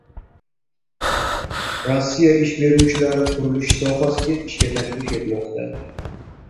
Rossiya ish beruvchilari qurilish sohasiga ishga taklif etmoqda